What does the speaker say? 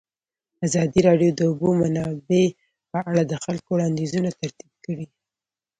ازادي راډیو د د اوبو منابع په اړه د خلکو وړاندیزونه ترتیب کړي.